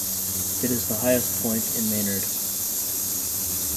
It is the highest point in Maynard.